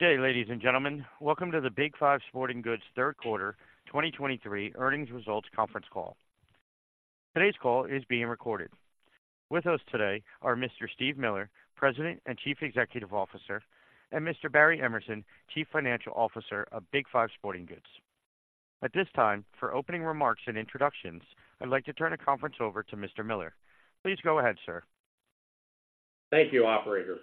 Good day, ladies and gentlemen. Welcome to the Big 5 Sporting Goods third quarter 2023 earnings results conference call. Today's call is being recorded. With us today are Mr. Steve Miller, President and Chief Executive Officer, and Mr. Barry Emerson, Chief Financial Officer of Big 5 Sporting Goods. At this time, for opening remarks and introductions, I'd like to turn the conference over to Mr. Miller. Please go ahead, sir. Thank you, operator.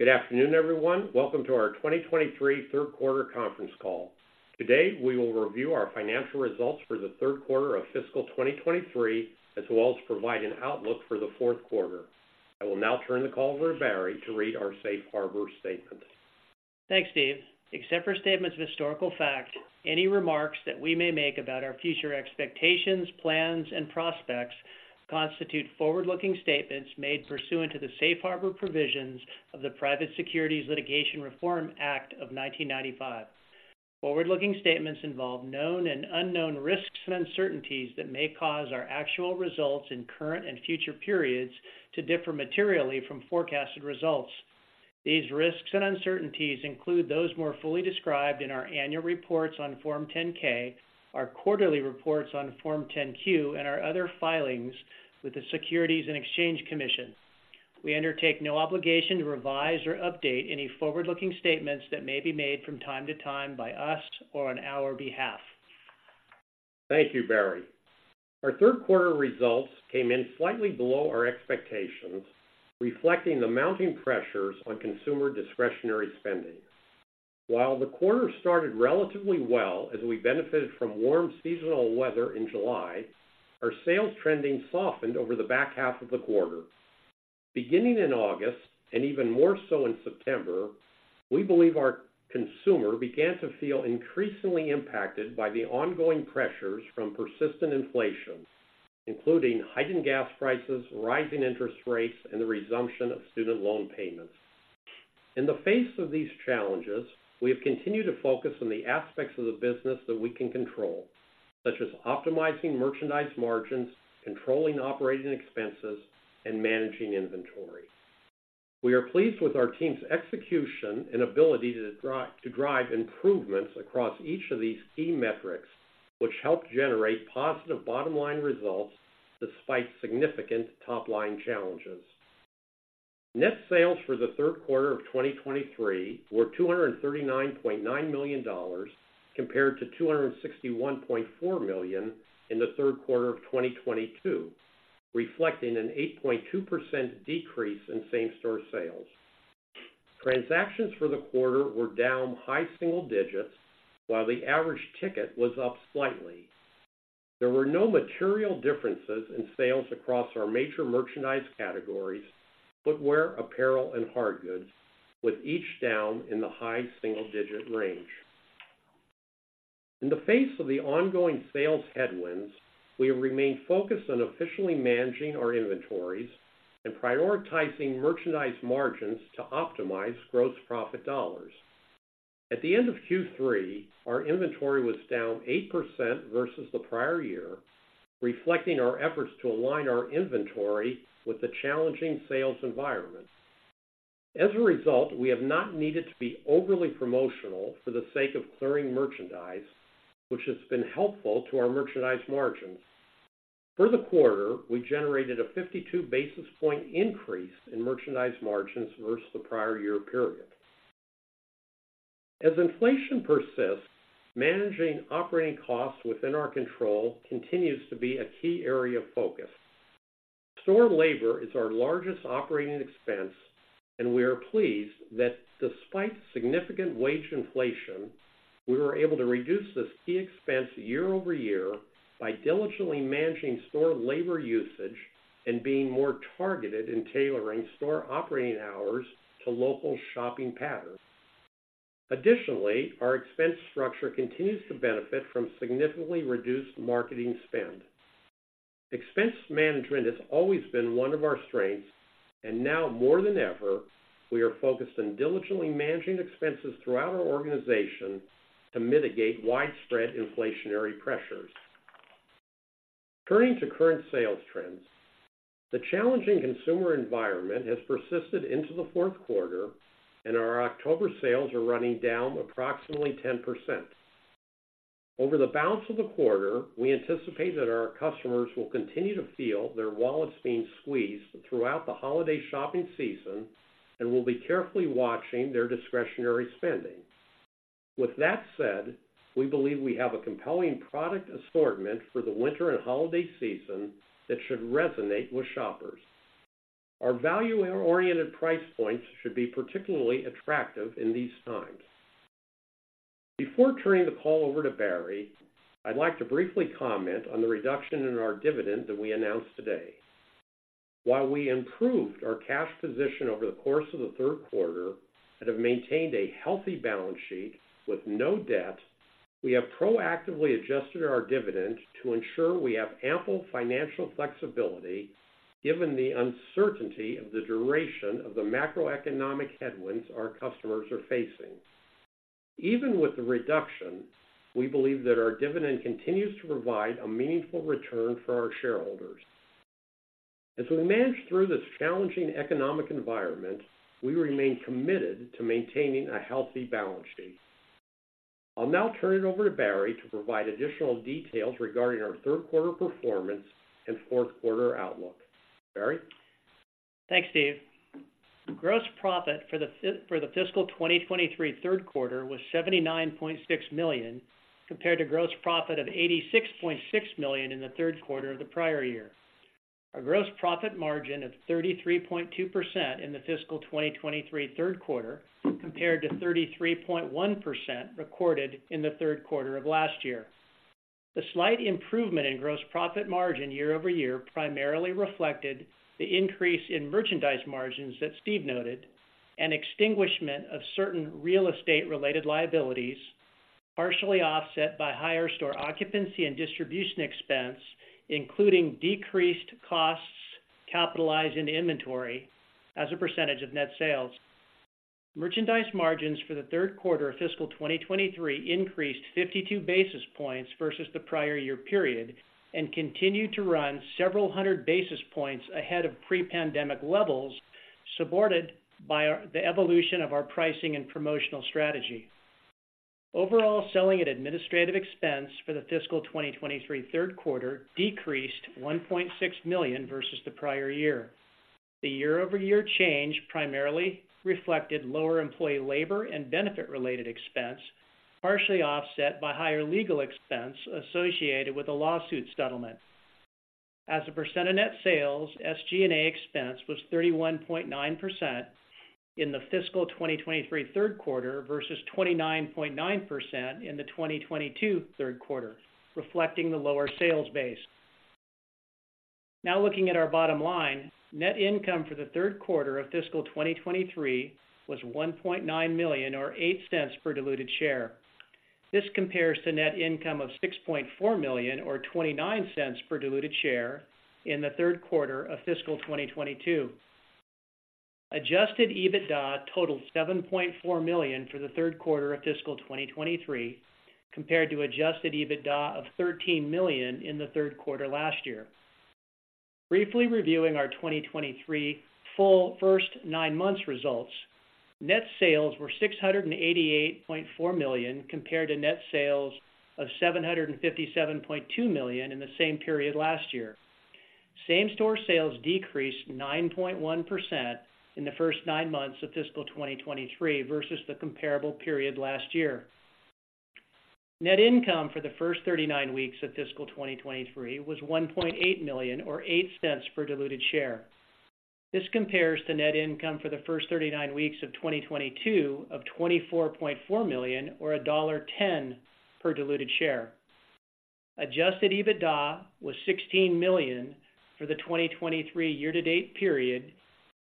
Good afternoon, everyone. Welcome to our 2023 third quarter conference call. Today, we will review our financial results for the third quarter of fiscal 2023, as well as provide an outlook for the fourth quarter. I will now turn the call over to Barry to read our safe harbor statement. Thanks, Steve. Except for statements of historical fact, any remarks that we may make about our future expectations, plans, and prospects constitute forward-looking statements made pursuant to the safe harbor provisions of the Private Securities Litigation Reform Act of 1995. Forward-looking statements involve known and unknown risks and uncertainties that may cause our actual results in current and future periods to differ materially from forecasted results. These risks and uncertainties include those more fully described in our annual reports on Form 10-K, our quarterly reports on Form 10-Q, and our other filings with the Securities and Exchange Commission. We undertake no obligation to revise or update any forward-looking statements that may be made from time to time by us or on our behalf. Thank you, Barry. Our third quarter results came in slightly below our expectations, reflecting the mounting pressures on consumer discretionary spending. While the quarter started relatively well as we benefited from warm seasonal weather in July, our sales trending softened over the back half of the quarter. Beginning in August, and even more so in September, we believe our consumer began to feel increasingly impacted by the ongoing pressures from persistent inflation, including heightened gas prices, rising interest rates, and the resumption of student loan payments. In the face of these challenges, we have continued to focus on the aspects of the business that we can control, such as optimizing merchandise margins, controlling operating expenses, and managing inventory. We are pleased with our team's execution and ability to drive improvements across each of these key metrics, which helped generate positive bottom-line results despite significant top-line challenges. Net sales for the third quarter of 2023 were $239.9 million, compared to $261.4 million in the third quarter of 2022, reflecting an 8.2% decrease in same-store sales. Transactions for the quarter were down high single digits, while the average ticket was up slightly. There were no material differences in sales across our major merchandise categories: footwear, apparel, and hard goods, with each down in the high single-digit range. In the face of the ongoing sales headwinds, we have remained focused on efficiently managing our inventories and prioritizing merchandise margins to optimize gross profit dollars. At the end of Q3, our inventory was down 8% versus the prior year, reflecting our efforts to align our inventory with the challenging sales environment. As a result, we have not needed to be overly promotional for the sake of clearing merchandise, which has been helpful to our merchandise margins. For the quarter, we generated a 52 basis point increase in merchandise margins versus the prior year period. As inflation persists, managing operating costs within our control continues to be a key area of focus. Store labor is our largest operating expense, and we are pleased that despite significant wage inflation, we were able to reduce this key expense year-over-year by diligently managing store labor usage and being more targeted in tailoring store operating hours to local shopping patterns. Additionally, our expense structure continues to benefit from significantly reduced marketing spend. Expense management has always been one of our strengths, and now more than ever, we are focused on diligently managing expenses throughout our organization to mitigate widespread inflationary pressures. Turning to current sales trends, the challenging consumer environment has persisted into the fourth quarter, and our October sales are running down approximately 10%. Over the balance of the quarter, we anticipate that our customers will continue to feel their wallets being squeezed throughout the holiday shopping season and will be carefully watching their discretionary spending. With that said, we believe we have a compelling product assortment for the winter and holiday season that should resonate with shoppers. Our value-oriented price points should be particularly attractive in these times. Before turning the call over to Barry, I'd like to briefly comment on the reduction in our dividend that we announced today. While we improved our cash position over the course of the third quarter and have maintained a healthy balance sheet with no debt, we have proactively adjusted our dividend to ensure we have ample financial flexibility given the uncertainty of the duration of the macroeconomic headwinds our customers are facing. Even with the reduction, we believe that our dividend continues to provide a meaningful return for our shareholders. As we manage through this challenging economic environment, we remain committed to maintaining a healthy balance sheet. I'll now turn it over to Barry to provide additional details regarding our third quarter performance and fourth quarter outlook. Barry? Thanks, Steve. Gross profit for the fiscal 2023 third quarter was $79.6 million, compared to gross profit of $86.6 million in the third quarter of the prior year. A gross profit margin of 33.2% in the fiscal 2023 third quarter, compared to 33.1% recorded in the third quarter of last year. The slight improvement in gross profit margin year-over-year, primarily reflected the increase in merchandise margins that Steve noted, and extinguishment of certain real estate related liabilities, partially offset by higher store occupancy and distribution expense, including decreased costs capitalized in inventory as a percentage of net sales. Merchandise margins for the third quarter of fiscal 2023 increased 52 basis points versus the prior year period and continued to run several hundred basis points ahead of pre-pandemic levels, supported by the evolution of our pricing and promotional strategy. Overall, selling and administrative expense for the fiscal 2023 third quarter decreased $1.6 million versus the prior year. The year-over-year change primarily reflected lower employee labor and benefit related expense, partially offset by higher legal expense associated with a lawsuit settlement. As a percent of net sales, SG&A expense was 31.9% in the fiscal 2023 third quarter versus 29.9% in the 2022 third quarter, reflecting the lower sales base. Now looking at our bottom line. Net income for the third quarter of fiscal 2023 was $1.9 million, or $0.08 per diluted share. This compares to net income of $6.4 million, or $0.29 per diluted share in the third quarter of fiscal 2022. Adjusted EBITDA totaled $7.4 million for the third quarter of fiscal 2023, compared to Adjusted EBITDA of $13 million in the third quarter last year. Briefly reviewing our 2023 full first nine months results. Net sales were $688.4 million, compared to net sales of $757.2 million in the same period last year. Same-store sales decreased 9.1% in the first nine months of fiscal 2023 versus the comparable period last year. Net income for the first 39 weeks of fiscal 2023 was $1.8 million, or $0.08 per diluted share. This compares to net income for the first 39 weeks of 2022 of $24.4 million or $1.10 per diluted share. Adjusted EBITDA was $16 million for the 2023 year-to-date period,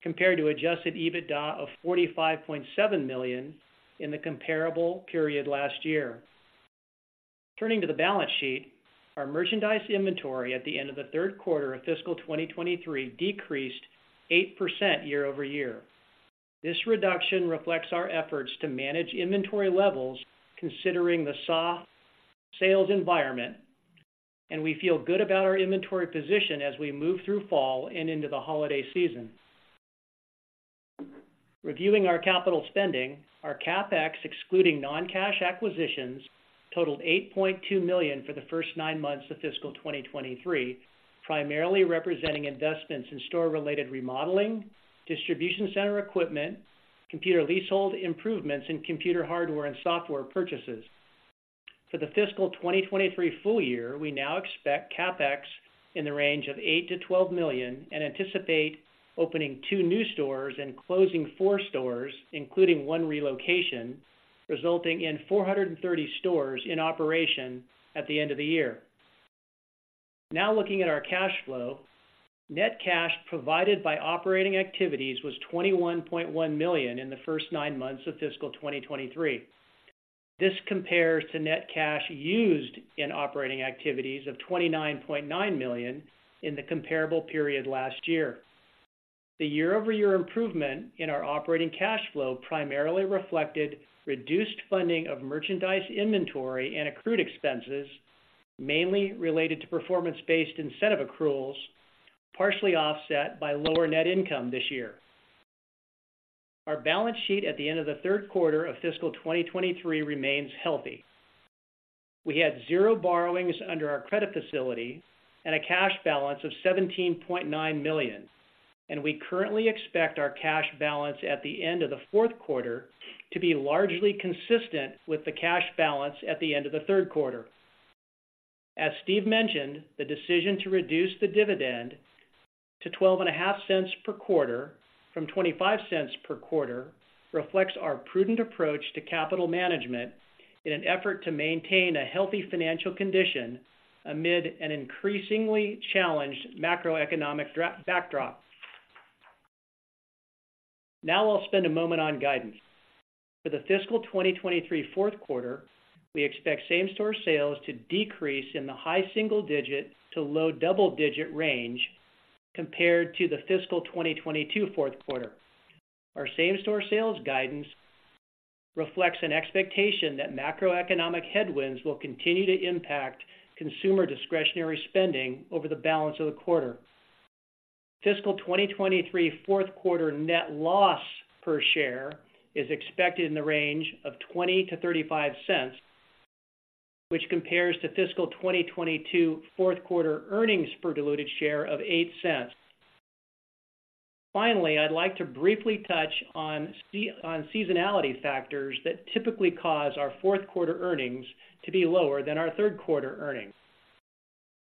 compared to Adjusted EBITDA of $45.7 million in the comparable period last year. Turning to the balance sheet. Our merchandise inventory at the end of the third quarter of fiscal 2023 decreased 8% year-over-year. This reduction reflects our efforts to manage inventory levels considering the soft sales environment, and we feel good about our inventory position as we move through fall and into the holiday season. Reviewing our capital spending, our CapEx, excluding non-cash acquisitions, totaled $8.2 million for the first nine months of fiscal 2023, primarily representing investments in store-related remodeling, distribution center equipment, computer leasehold improvements, and computer hardware and software purchases. For the fiscal 2023 full year, we now expect CapEx in the range of $8 million-$12 million and anticipate opening two new stores and closing four stores, including one relocation, resulting in 430 stores in operation at the end of the year. Now, looking at our cash flow, net cash provided by operating activities was $21.1 million in the first 9 months of fiscal 2023. This compares to net cash used in operating activities of $29.9 million in the comparable period last year. The year-over-year improvement in our operating cash flow primarily reflected reduced funding of merchandise, inventory, and accrued expenses, mainly related to performance-based incentive accruals, partially offset by lower net income this year. Our balance sheet at the end of the third quarter of fiscal 2023 remains healthy. We had zero borrowings under our credit facility and a cash balance of $17.9 million, and we currently expect our cash balance at the end of the fourth quarter to be largely consistent with the cash balance at the end of the third quarter. As Steve mentioned, the decision to reduce the dividend to $0.125 per quarter from $0.25 per quarter reflects our prudent approach to capital management in an effort to maintain a healthy financial condition amid an increasingly challenged macroeconomic backdrop. Now I'll spend a moment on guidance. For the fiscal 2023 fourth quarter, we expect same-store sales to decrease in the high single-digit to low double-digit range compared to the fiscal 2022 fourth quarter. Our same-store sales guidance reflects an expectation that macroeconomic headwinds will continue to impact consumer discretionary spending over the balance of the quarter. Fiscal 2023 fourth quarter net loss per share is expected in the range of $0.20-$0.35, which compares to fiscal 2022 fourth quarter earnings per diluted share of $0.08. Finally, I'd like to briefly touch on seasonality factors that typically cause our fourth quarter earnings to be lower than our third quarter earnings.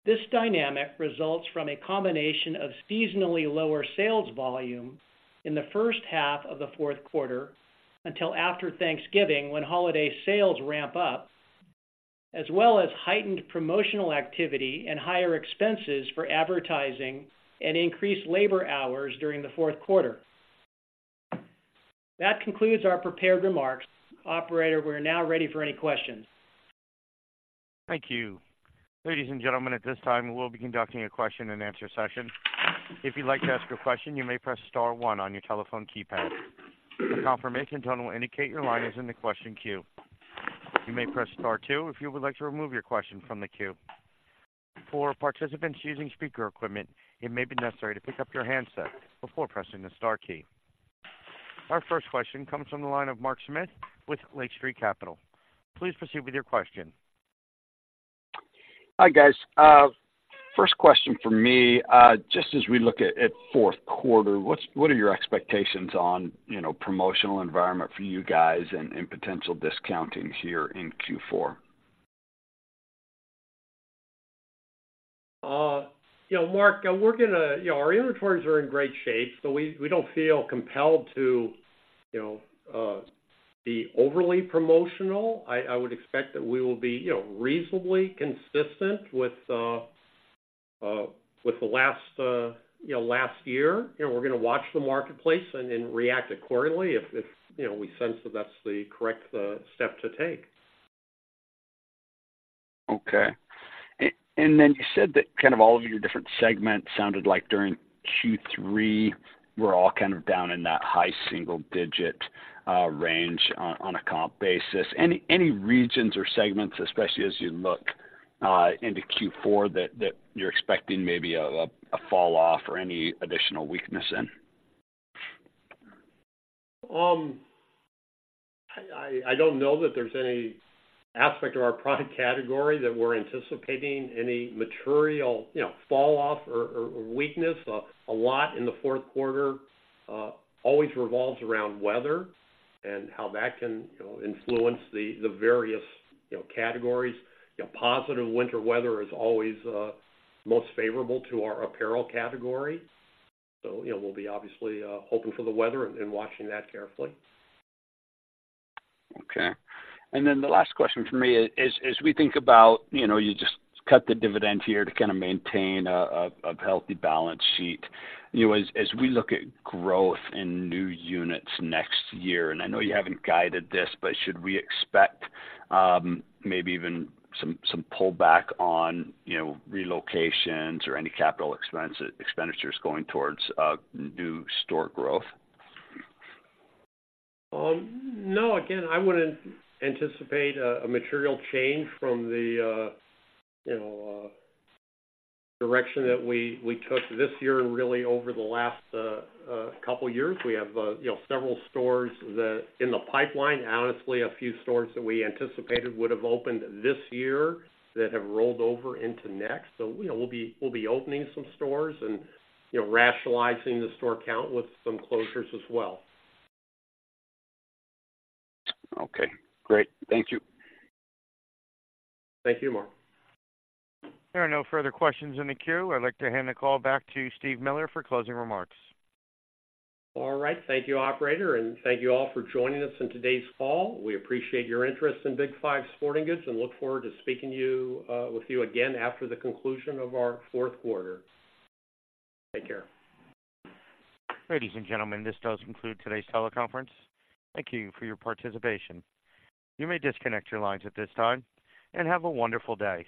This dynamic results from a combination of seasonally lower sales volume in the first half of the fourth quarter, until after Thanksgiving, when holiday sales ramp up, as well as heightened promotional activity and higher expenses for advertising and increased labor hours during the fourth quarter. That concludes our prepared remarks. Operator, we're now ready for any questions. Thank you. Ladies and gentlemen, at this time, we'll be conducting a question-and-answer session. If you'd like to ask a question, you may press star one on your telephone keypad. A confirmation tone will indicate your line is in the question queue. You may press star two if you would like to remove your question from the queue. For participants using speaker equipment, it may be necessary to pick up your handset before pressing the star key. Our first question comes from the line of Mark Smith with Lake Street Capital Markets. Please proceed with your question. Hi, guys. First question for me, just as we look at fourth quarter, what are your expectations on, you know, promotional environment for you guys and potential discounting here in Q4? You know, Mark, we're gonna, you know, our inventories are in great shape, so we don't feel compelled to, you know, be overly promotional. I would expect that we will be, you know, reasonably consistent with the last year. You know, we're gonna watch the marketplace and react accordingly if you know, we sense that that's the correct step to take. Okay. And then you said that kind of all of your different segments sounded like during Q3, we're all kind of down in that high single digit range on a comp basis. Any regions or segments, especially as you look into Q4, that you're expecting maybe a falloff or any additional weakness in? I don't know that there's any aspect of our product category that we're anticipating any material, you know, falloff or weakness. A lot in the fourth quarter always revolves around weather and how that can, you know, influence the various, you know, categories. You know, positive winter weather is always most favorable to our apparel category. So, you know, we'll be obviously hoping for the weather and watching that carefully. Okay. And then the last question for me is, as we think about, you know, you just cut the dividend here to kinda maintain a healthy balance sheet. You know, as we look at growth in new units next year, and I know you haven't guided this, but should we expect, maybe even some pullback on, you know, relocations or any capital expenditures going towards new store growth? No. Again, I wouldn't anticipate a material change from the, you know, direction that we took this year and really over the last couple years. We have, you know, several stores that in the pipeline, honestly, a few stores that we anticipated would have opened this year, that have rolled over into next. So, you know, we'll be opening some stores and, you know, rationalizing the store count with some closures as well. Okay, great. Thank you. Thank you, Mark. There are no further questions in the queue. I'd like to hand the call back to Steve Miller for closing remarks. All right. Thank you, operator, and thank you all for joining us on today's call. We appreciate your interest in Big 5 Sporting Goods and look forward to speaking to you, with you again after the conclusion of our fourth quarter. Take care. Ladies and gentlemen, this does conclude today's teleconference. Thank you for your participation. You may disconnect your lines at this time, and have a wonderful day.